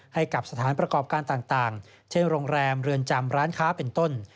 ให้กับสถานประกอบการต่างเช่นโรงแรมเรือนจำร้านค้าเป็นต้น